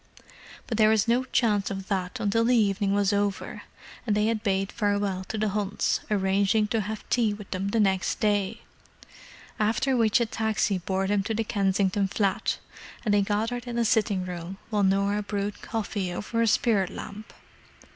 But there was no chance of that until the evening was over, and they had bade farewell to the Hunts, arranging to have tea with them next day: after which a taxi bore them to the Kensington flat, and they gathered in the sitting room while Norah brewed coffee over a spirit lamp.